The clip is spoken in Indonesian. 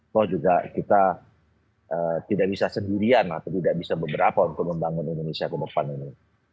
toh juga kita tidak bisa sendirian atau tidak bisa beberapa untuk membangun indonesia ke depan ini